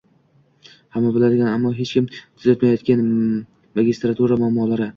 Hamma biladigan, ammo hech kim tuzatmayotgan magistratura muammolari